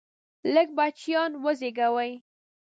لږ بچیان وزیږوئ!